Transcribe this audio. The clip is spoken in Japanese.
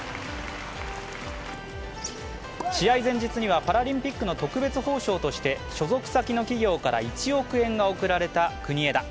試合前日にはパラリンピックの特別報奨として所属先の企業から１億円が贈られた国枝。